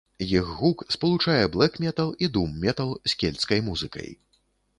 Іх гук спалучае блэк-метал і дум-метал з кельцкай музыкай.